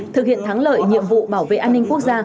thực hiện thắng lợi nhiệm vụ bảo vệ an ninh quốc gia